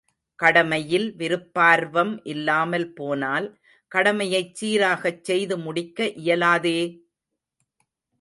கடமையில் விருப்பார்வம் இல்லாமல் போனால் கடமையைச் சீராகச் செய்துமுடிக்க இயலாதே!